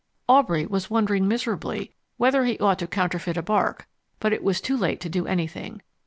Aubrey was wondering miserably whether he ought to counterfeit a bark, but it was too late to do anything.